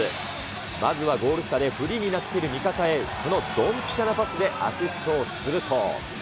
まずはゴール下でフリーになっている味方へ、このどんぴしゃなパスでアシストをすると。